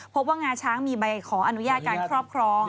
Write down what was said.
งาช้างมีใบขออนุญาตการครอบครอง